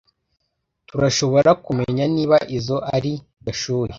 Turashoborakumenya niba izoi ari Gashuhe?